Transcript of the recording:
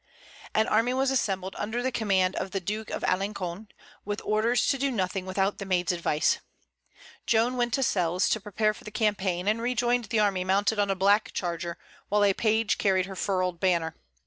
An army was assembled under the command of the Duke of Alençon, with orders to do nothing without the Maid's advice. Joan went to Selles to prepare for the campaign, and rejoined the army mounted on a black charger, while a page carried her furled banner.